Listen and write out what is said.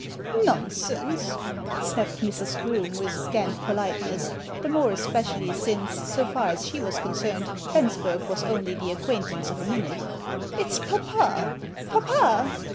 "Nonsense!" snapped Mrs. Groome with scant politeness, the more especially since, so far as she was concerned, Bensbei^ was only the acquaintance of a minute. " If s papa ! Papa